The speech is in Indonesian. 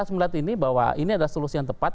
melihat ini bahwa ini adalah solusi yang tepat